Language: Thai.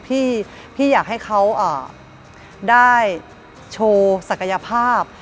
พี่อยากให้เขาได้โชว์ศักยภาพ